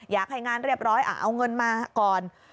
อยากให้งานเรียบร้อยเอาเงินมาก่อน